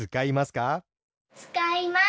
つかいます。